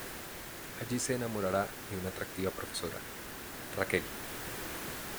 Allí se enamorará de una atractiva profesora: Raquel.